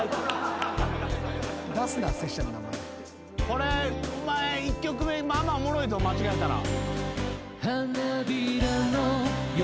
これお前１曲目まあまあおもろいぞ間違えたら。